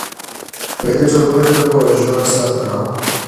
د ټولګټو پروژو ساتنه وکړئ.